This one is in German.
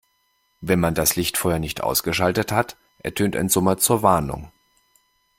Wenn man das Licht vorher nicht ausgeschaltet hat, ertönt ein Summer zur Warnung.